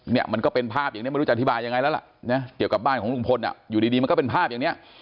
เนี่ยมันก็เป็นภาพอย่างนี้ไม่รู้จะอธิบายยังไงแล้วล่ะนะเกี่ยวกับบ้านของลุงพลอยู่ดีมันก็เป็นภาพอย่างเนี้ย